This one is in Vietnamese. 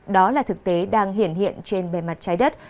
đó là thực tế đang hiện hiện trên bề mặt trái đất